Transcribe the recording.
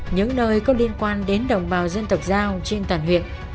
những nơi có liên quan đến đồng bào dân tộc giao trên toàn huyện